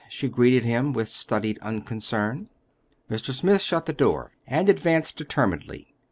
she greeted him, with studied unconcern. Mr. Smith shut the door and advanced determinedly.